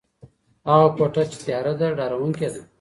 هغه کوټه چي تياره ده ډارونکي ده.